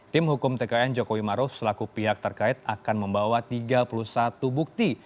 tim hukum tkn jokowi maruf selaku pihak terkait akan membawa tiga puluh satu bukti